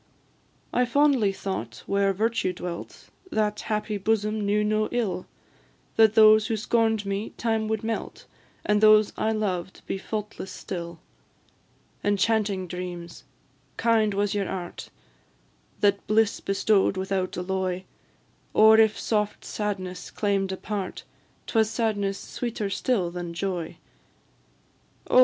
I fondly thought where Virtue dwelt, That happy bosom knew no ill That those who scorn'd me, time would melt, And those I loved be faultless still. Enchanting dreams! kind was your art That bliss bestow'd without alloy; Or if soft sadness claim'd a part, 'Twas sadness sweeter still than joy. Oh!